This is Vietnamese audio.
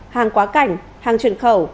hàng quá cảnh hàng chuyển khẩu